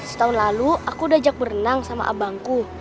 setahun lalu aku udah ajak berenang sama abangku